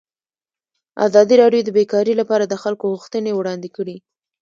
ازادي راډیو د بیکاري لپاره د خلکو غوښتنې وړاندې کړي.